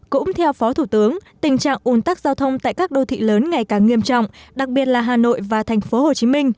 cũng theo phó thủ tướng tình trạng un tắc giao thông tại các đô thị lớn ngày càng nghiêm trọng đặc biệt là hà nội và tp hcm